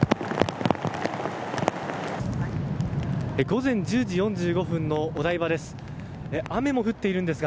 午前１０時４５分のお台場です。